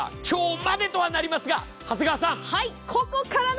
今日までとはなりますが長谷川さん。